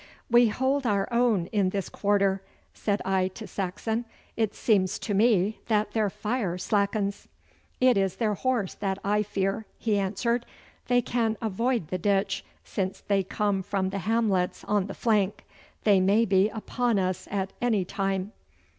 'We hold our own in this quarter,' said I to Saxon. 'It seems to me that their fire slackens.' 'It is their horse that I fear,' he answered. 'They can avoid the ditch, since they come from the hamlets on the flank. They may be upon us at any time.